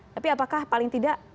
tapi apakah paling tidak